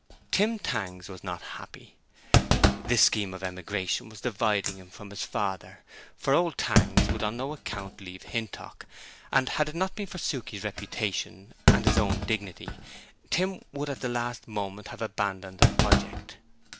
Tim Tangs was not happy. This scheme of emigration was dividing him from his father—for old Tangs would on no account leave Hintock—and had it not been for Suke's reputation and his own dignity, Tim would at the last moment have abandoned the project.